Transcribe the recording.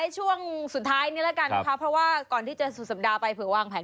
จะไปเที่ยวกันไหม